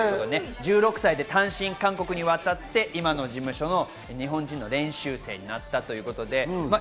１６歳で単身韓国に渡って今の事務所の日本人の練習生になったということです。